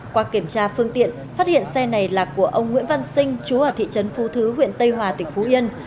qua kiểm tra phương tiện phát hiện xe này là của ông nguyễn văn sinh chú ở thị trấn phú thứ huyện tây hòa tỉnh phú yên